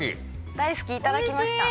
大好きいただきました。